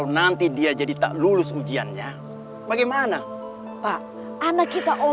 nanti lo juga ngerjain jangan bodoh